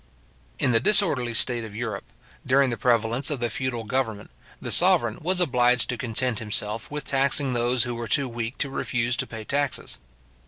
In the disorderly state of Europe, during the prevalence of the feudal government, the sovereign was obliged to content himself with taxing those who were too weak to refuse to pay taxes.